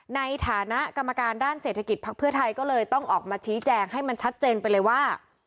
ในฐานะกรรมการด้านเศรษฐกิจภักดิ์เพื่อไทยก็เลยต้องออกมาชี้แจงให้มันชัดเจนไปเลยว่า